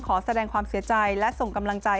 ขอแสดงความเสียใจและส่งกำลังใจ